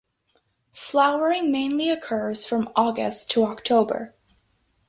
Flowering mainly occurs from August to October.